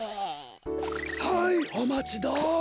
はいおまちどう。